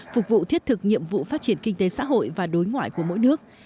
phục vụ thiết thực nhiệm vụ phát triển kinh tế xã hội và đối ngoại của mỗi nước